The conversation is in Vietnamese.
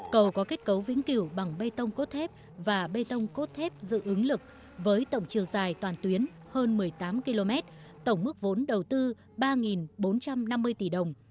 cầu có kết cấu vĩnh cửu bằng bê tông cốt thép và bê tông cốt thép dự ứng lực với tổng chiều dài toàn tuyến hơn một mươi tám km tổng mức vốn đầu tư ba bốn trăm năm mươi tỷ đồng